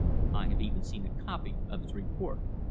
I have even seen a copy of his report.